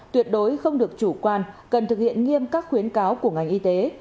tuyệt đối không được chủ quan cần thực hiện nghiêm các khuyến cáo của ngành y tế